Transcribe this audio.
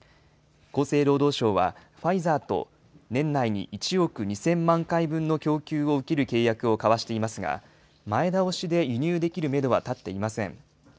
厚生労働省は、ファイザーと年内に１億２０００万回分の供給を受ける契約を交わしていますが、前倒しで輸入できるメドは立っていません。